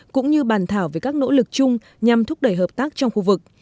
cũng như bàn thảo về các nỗ lực chung nhằm thúc đẩy hợp tác trong khu vực